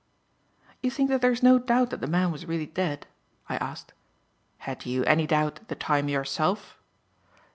"You think that there is no doubt that the man was really dead?" I asked. "Had you any doubt at the time yourself?"